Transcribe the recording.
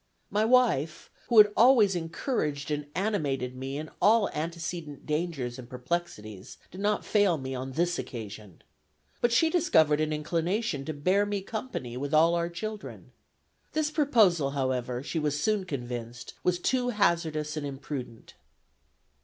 My wife, who had always encouraged and animated me in all antecedent dangers and perplexities, did not fail me on this occasion. But she discovered an inclination to bear me company, with all our children. This proposal, however, she was soon convinced, was too hazardous and imprudent."